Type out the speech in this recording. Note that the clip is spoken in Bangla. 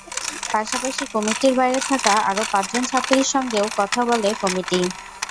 পাশাপাশি কমিটির বাইরে থাকা আরও পাঁচজন ছাত্রীর সঙ্গেও কথা বলে কমিটি।